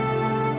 aku sudah lebih